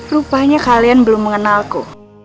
rupanya kalian belum mengenalku